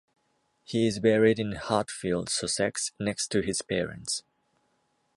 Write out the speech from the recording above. He is buried in Hartfield, Sussex, next to his parents.